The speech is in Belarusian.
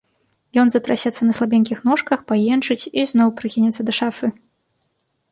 Ён затрасецца на слабенькіх ножках, паенчыць і зноў прыхінецца да шафы.